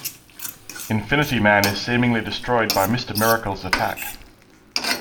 Infinity-Man is seemingly destroyed by Mister Miracle's attack.